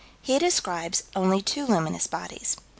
He describes only two luminous bodies.